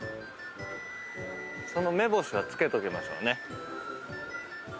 その目星は付けときましょうね。